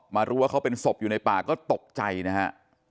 รู้ว่าเขาเป็นศพอยู่ในป่าก็ตกใจนะฮะ